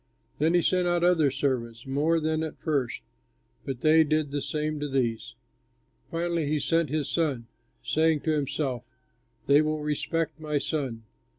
Then he sent other servants, more than at first, but they did the same to these. Finally he sent his son, saying to himself, 'They will respect my son.'